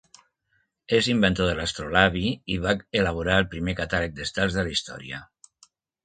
És inventor de l'astrolabi i va elaborar el primer catàleg d'estels de la història.